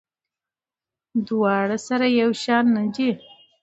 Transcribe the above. دواړه سره یو شان نه دي.